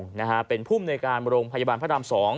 เป็น๒๒๑๑๕เป็นผู้ในคณะโรงพยาบาลพระราม๒